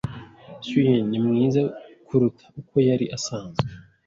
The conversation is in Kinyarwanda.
Siu-Yin ni mwiza kuruta uko yari asanzwe.